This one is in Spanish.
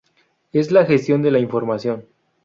Es la gestión de la información.